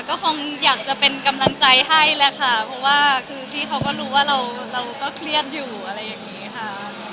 ก็คงอยากจะเป็นกำลังใจให้แหละค่ะเพราะว่าคือพี่เขาก็รู้ว่าเราก็เครียดอยู่อะไรอย่างนี้ค่ะ